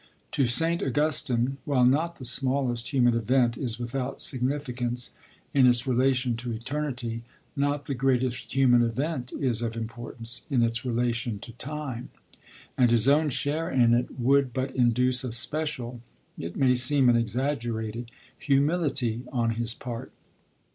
To St. Augustine, while not the smallest human event is without significance, in its relation to eternity, not the greatest human event is of importance, in its relation to time; and his own share in it would but induce a special, it may seem an exaggerated, humility on his part.